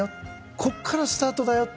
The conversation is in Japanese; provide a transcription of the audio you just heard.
ここからスタートだよ！